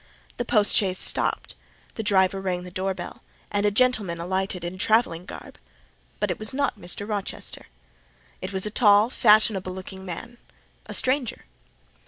The post chaise stopped; the driver rang the door bell, and a gentleman alighted attired in travelling garb; but it was not Mr. Rochester; it was a tall, fashionable looking man, a stranger.